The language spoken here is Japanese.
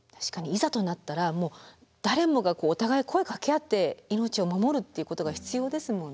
いざとなったらもう誰もがお互い声かけ合って命を守るっていうことが必要ですもんね。